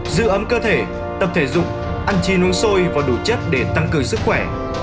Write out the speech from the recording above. giữ ấm cơ thể tập thể dụng ăn chi nướng sôi và đủ chất để tăng cường sức khỏe